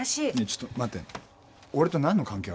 ちょっと待って俺と何の関係あんの？